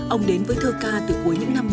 ông đến với thơ ca từ cuối những năm bảy mươi